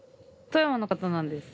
富山の方なんです。